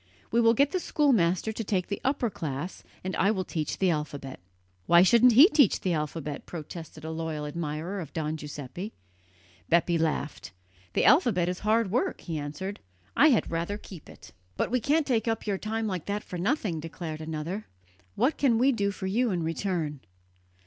We will get the schoolmaster to take the upper class, and I will teach the alphabet." "Why shouldn't he teach the alphabet?" protested a loyal admirer of Don Giuseppe. Bepi laughed. "The alphabet is hard work," he answered, "I had rather keep it." "But we can't take up your time like that for nothing," declared another. "What can we do for you in return?"